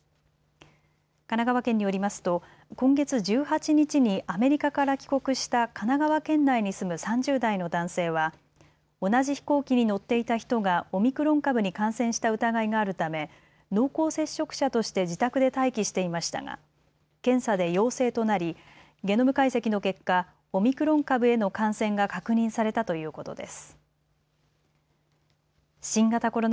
神奈川県によりますと今月１８日にアメリカから帰国した神奈川県内に住む３０代の男性は、同じ飛行機に乗っていた人がオミクロン株に感染した疑いがあるため濃厚接触者として自宅で待機していましたが検査で陽性となりゲノム解析の結果、オミクロン株への感染が確認されたということです。